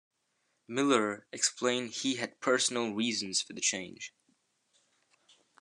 Miller explained he had personal reasons for the change.